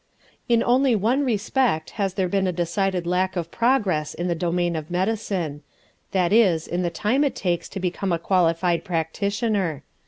In only one respect has there been a decided lack of progress in the domain of medicine, that is in the time it takes to become a qualified practitioner.